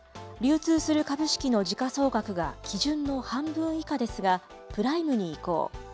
流通する株式の時価総額が基準の半分以下ですが、プライムに移行。